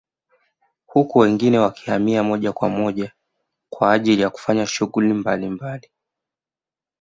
Huku wengine wakihamia moja kwa moja kwa ajili ya kufanya shughuli mbalimbali